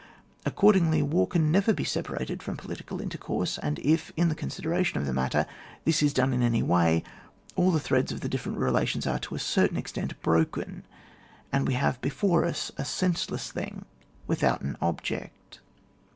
Accordingly, warcan never be separated from politicaJ intercourse, and if, in the consideration of the matter, this is done in any way, all the threads of the differ ent relations are, to a certain extent, broken, and we have before us a sense less thing without an object.